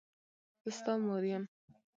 زه ستا مور یم.